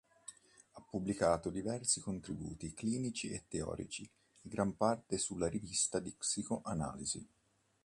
Ha pubblicato diversi contributi clinici e teorici, in gran parte sulla Rivista di Psicoanalisi.